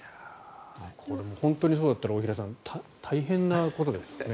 これも本当にそうだったら大平さん、大変なことですよね。